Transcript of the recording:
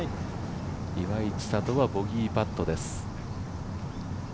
岩井千怜はボギーパットです。